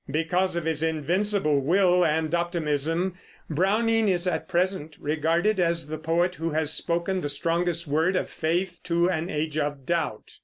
Because of his invincible will and optimism, Browning is at present regarded as the poet who has spoken the strongest word of faith to an age of doubt.